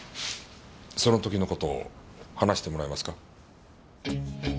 その時の事を話してもらえますか？